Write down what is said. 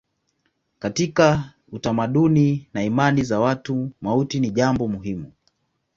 Katika utamaduni na imani za watu mauti ni jambo muhimu.